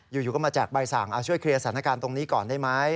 อยู่ก็มาแจกใบสั่งช่วยเคลียร์สถานการณ์ตรงนี้ก่อนได้ไหม